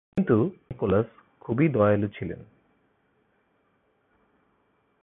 কিন্তু তিনি Saint Nicholas খুবই দয়ালু ছিলেন।